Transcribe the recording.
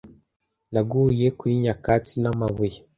Naguye kuri nyakatsi n'amabuye,